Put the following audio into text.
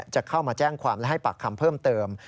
จะเข้ามาแจ้งความและให้ปากคำเพิ่มเติม